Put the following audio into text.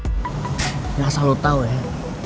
niat gue ngomongin tentang masalah kita berdua